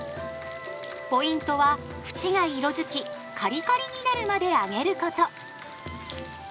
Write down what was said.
ポイントは縁が色づきカリカリになるまで揚げること！